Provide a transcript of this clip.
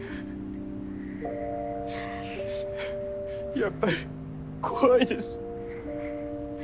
やっぱり怖いです。